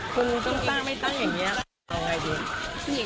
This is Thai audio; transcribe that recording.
ครูต้องตั้งไม่ตั้งอย่างนี้